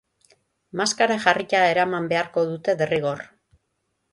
Maskara jarrita eraman beharko dute derrigor.